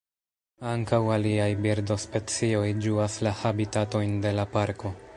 Ankaŭ aliaj birdospecioj ĝuas la habitatojn de la parko.